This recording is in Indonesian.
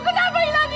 kenapa ilangin dia